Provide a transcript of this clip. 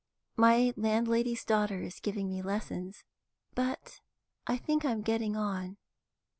My landlady's daughter is giving me lessons. But I think I'm getting on.